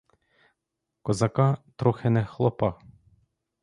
Козака, трохи не хлопа.